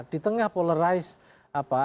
kalau kita sudah polarize apa